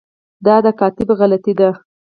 دا د کاتب غلطي ده.